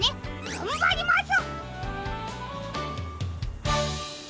がんばります！